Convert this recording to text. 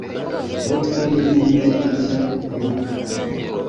ugutwi niyumve ibyo umwuka